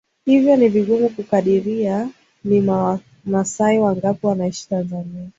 hivyo ni vigumu kukadiria ni wamasai wangapi wanaishi Tanzania